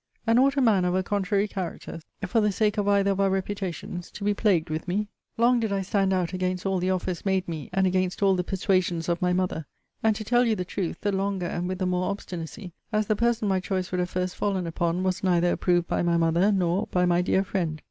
And ought a man of a contrary character, for the sake of either of our reputations, to be plagued with me? Long did I stand out against all the offers made me, and against all the persuasions of my mother; and, to tell you the truth, the longer, and with the more obstinacy, as the person my choice would have first fallen upon was neither approved by my mother, nor by my dear friend.